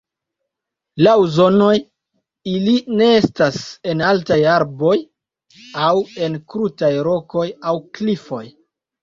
Laŭ zonoj, ili nestas en altaj arboj aŭ en krutaj rokoj aŭ klifoj.